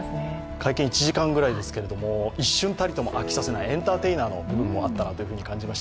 会見１時間くらいですけど一瞬たりとも飽きさせないエンターテイナーな部分もあったと思います。